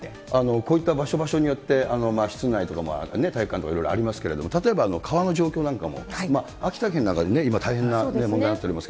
こういった場所場所によって、室内とかも体育館とかもいろいろありますけど、例えば川の状況なんかも、秋田県なんかでね、今、大変な問題になっております